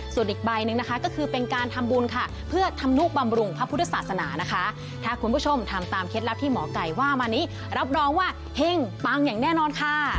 ส่วนอีกใบหนึ่งนะคะก็คือเป็นการทำบุญค่ะเพื่อทำนุบำรุงพระพุทธศาสนานะคะถ้าคุณผู้ชมทำตามเคล็ดลับที่หมอไก่ว่ามานี้รับรองว่าเฮ่งปังอย่างแน่นอนค่ะ